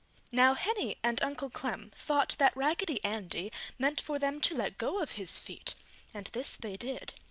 Now Henny and Uncle Clem thought that Raggedy Andy meant for them to let go of his feet and this they did.